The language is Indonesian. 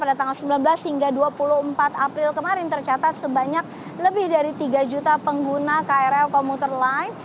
pada tanggal sembilan belas hingga dua puluh empat april kemarin tercatat sebanyak lebih dari tiga juta pengguna krl komuter line